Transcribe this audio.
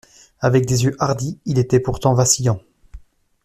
Avec des yeux hardis, il était pourtant vacillant.